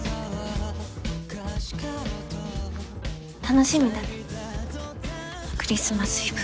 楽しみだねクリスマスイブ。